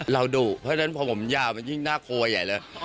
ดุเพราะฉะนั้นพอผมยาวมันยิ่งน่ากลัวใหญ่เลย